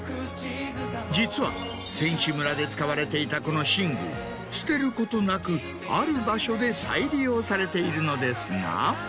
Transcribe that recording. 実は選手村で使われていたこの寝具捨てることなくある場所で再利用されているのですが。